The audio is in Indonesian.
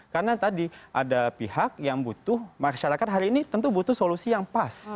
karena tadi ada pihak yang butuh masyarakat hari ini tentu butuh solusi yang pas